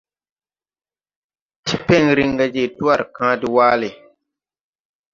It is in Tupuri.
Tipen riŋ ga je twar kaa de waale.